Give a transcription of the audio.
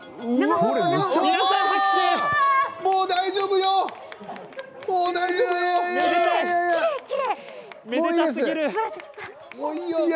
もう大丈夫よ！